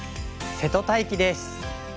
瀬戸大樹です。